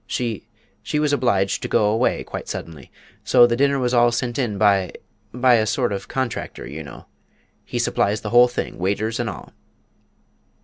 She she was obliged to go away quite suddenly. So the dinner was all sent in by by a sort of contractor, you know. He supplies the whole thing, waiters and all."